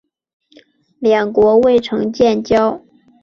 两国未曾建交。